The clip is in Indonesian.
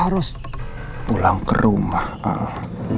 harus pulang ke rumah allah